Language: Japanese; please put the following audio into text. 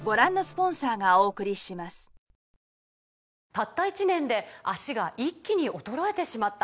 「たった１年で脚が一気に衰えてしまった」